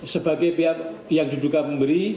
sebagai pihak yang diduga memberi